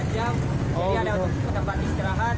jadi ada tempat istirahat